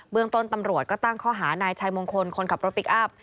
เมืองต้นตำรวจก็ตั้งข้อหานายชัยมงคลคนขับรถพลิกอัพ